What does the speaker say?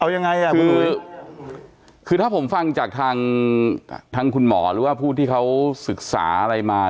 เอายังไงอ่ะคือคือถ้าผมฟังจากทางทางคุณหมอหรือว่าผู้ที่เขาศึกษาอะไรมา